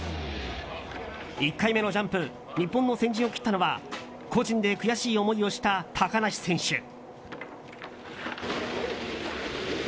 １回目のジャンプ日本の先陣を切ったのは個人で悔しい思いをした高梨選手。